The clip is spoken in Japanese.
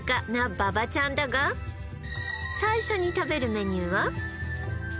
馬場ちゃんだが最初に食べるメニューは？